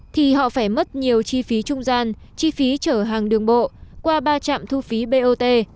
thì họ phải mất nhiều chi phí trung gian chi phí chở hàng đường bộ qua ba trạm thu phí bot